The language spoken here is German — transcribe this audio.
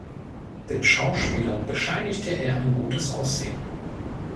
Den Schauspielern bescheinigte er ein gutes Aussehen.